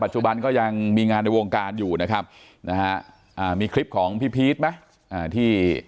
จุบันก็ยังมีงานในวงการอยู่นะครับนะฮะมีคลิปของพี่พีชไหมที่